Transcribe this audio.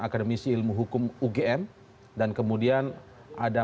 aktivitas k lawsuit berlangsung ini